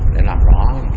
để làm rõ